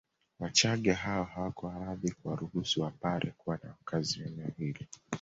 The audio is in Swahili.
Wachagga hao hawakuwa radhi kuwaruhusu Wapare kuwa na makazi eneo hili